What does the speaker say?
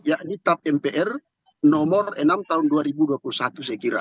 yakni tap mpr nomor enam tahun dua ribu dua puluh satu saya kira